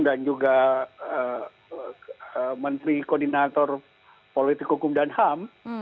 dan juga menteri koordinator politik hukum dan ham